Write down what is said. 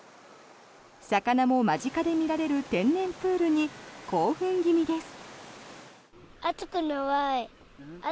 魚も間近で見られる天然プールに興奮気味です。